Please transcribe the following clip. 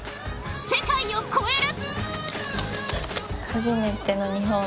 世界を超える。